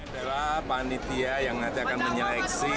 adalah panitia yang nanti akan menyeleksi